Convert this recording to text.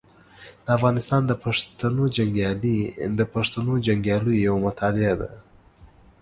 د افغانستان د پښتنو جنګیالي د پښتنو جنګیالیو یوه مطالعه ده.